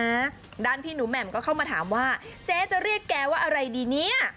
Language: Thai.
ด้านพี่หนูแหม่มก็เข้ามาถามว่าเจ๊จะเรียกแกว่าอะไรดีเนี่ย